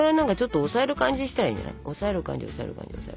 押さえる感じ押さえる感じ。